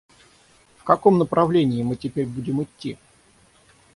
В каком направлении мы теперь будем идти?